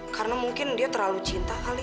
karena mungkin dia terlalu cinta kali